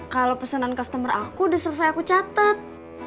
kalau pesanan customer aku udah selesai aku catat